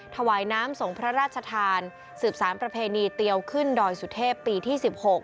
ถวายน้ำส่งพระราชทานสืบสารประเพณีเตียวขึ้นดอยสุเทพปีที่๑๖